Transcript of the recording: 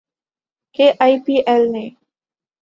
کہ I P L نے